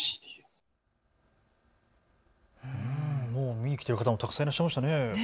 見に来ている方もたくさんいらっしゃいましたね。